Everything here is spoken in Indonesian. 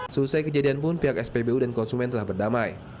selesai kejadian pun pihak spbu dan konsumen telah berdamai